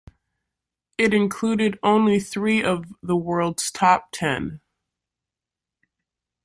It included only three of the world's top ten.